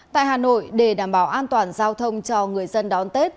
tại hà nội để đảm bảo an toàn giao thông cho người dân đón tết